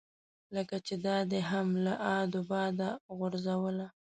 لکه چې دا دې هم له ادو باده غورځوله.